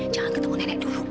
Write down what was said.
jangan ketemu nenek dulu